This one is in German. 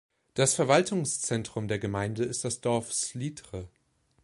Das Verwaltungszentrum der Gemeinde ist das Dorf Slidre.